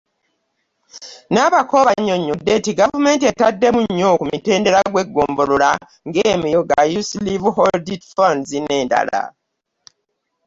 Nabakooba annyonnyodde nti gavumenti etaddemu nnyo ku mutendera gw’eggombolola ng’emyooga, Youth Livelihood funds n’endala.